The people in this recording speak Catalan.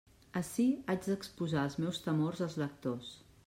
Ací haig d'exposar els meus temors als lectors.